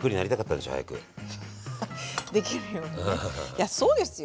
いやそうですよ。